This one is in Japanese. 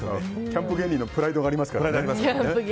キャンプ芸人のプライドがありますからね。